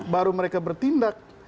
baru mereka bertindak